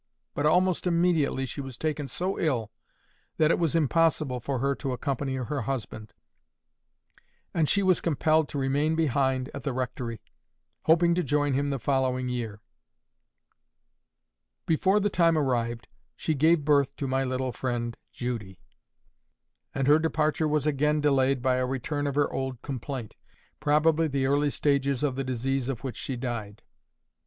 But almost immediately she was taken so ill, that it was impossible for her to accompany her husband, and she was compelled to remain behind at the rectory, hoping to join him the following year. Before the time arrived, she gave birth to my little friend Judy; and her departure was again delayed by a return of her old complaint, probably the early stages of the disease of which she died.